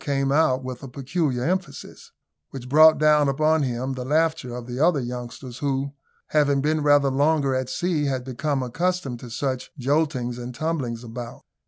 came out with a peculiar emphasis which brought down upon him the laughter of the other youngsters, who, having been rather longer at sea, had become accustomed to such joltings and tumblings about.